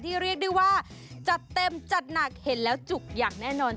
เรียกได้ว่าจัดเต็มจัดหนักเห็นแล้วจุกอย่างแน่นอน